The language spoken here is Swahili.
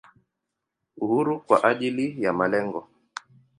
Uhuru kwa ajili ya malengo.